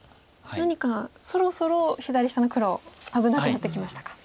何かそろそろ左下の黒危なくなってきましたか。